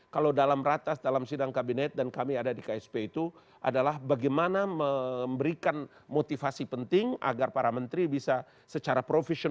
kalau dalam ratas dalam sidang kabinet dan kami ada di ksp itu adalah bagaimana memberikan motivasi penting agar para menteri bisa secara profesional